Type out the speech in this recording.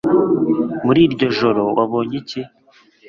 muri iryo joro wabonye iki